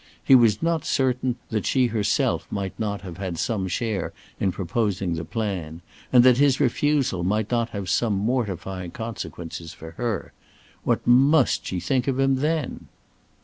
He was not certain that she herself might not have had some share in proposing the plan, and that his refusal might not have some mortifying consequences for her. What must she think of him, then?